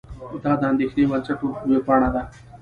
دا د اندېښې بنسټ وېبپاڼه ده.